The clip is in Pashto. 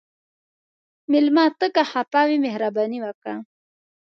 مېلمه ته که خفه وي، مهرباني وکړه.